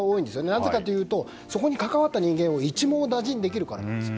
なぜかというとそこに関わった人間を一網打尽にできるからなんです。